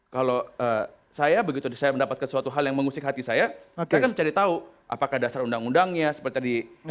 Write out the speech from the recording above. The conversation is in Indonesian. kalau saya begitu saya mendapatkan suatu hal yang mengusik hati saya saya kan mencari tahu apakah dasar undang undangnya seperti tadi